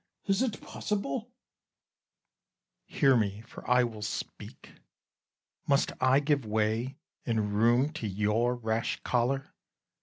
Cas. Is't possible? Bru. Hear me, for I will speak. Must I give way and room to your rash choler?